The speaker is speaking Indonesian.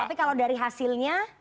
tapi kalau dari hasilnya